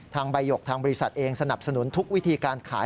ใบหยกทางบริษัทเองสนับสนุนทุกวิธีการขาย